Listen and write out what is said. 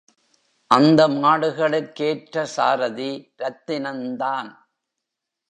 அந்த மாடுகளுக்கேற்ற சாரதி ரத்தினந்தான்.